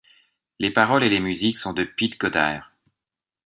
Les paroles et les musiques sont de Piet Goddaer.